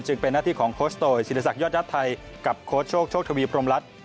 เป็นหน้าที่ของโคชโตยศิริษักยอดญาติไทยกับโค้ชโชคโชคทวีพรมรัฐ